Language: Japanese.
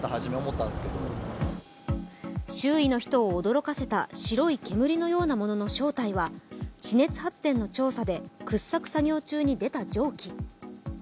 周囲の人を驚かせた白い煙のようなものは地熱発電の調査で掘削作業中に出た蒸気。